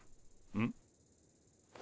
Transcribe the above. うん。